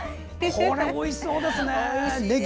これ、おいしそうですね。